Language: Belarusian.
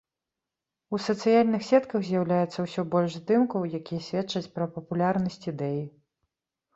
У сацыяльных сетках з'яўляецца ўсё больш здымкаў, якія сведчаць пра папулярнасць ідэі.